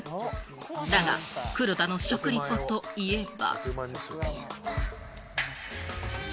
だが、黒田の食リポといえば。